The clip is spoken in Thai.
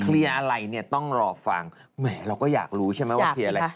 อะไรเนี่ยต้องรอฟังแหมเราก็อยากรู้ใช่ไหมว่าเคลียร์อะไร